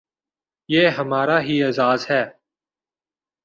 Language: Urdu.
یہ ہمارا ہی اعزاز ہے۔